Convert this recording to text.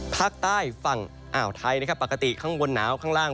ภาคใต้ฝั่งอ่าวไทยนะครับปกติข้างบนหนาวข้างล่าง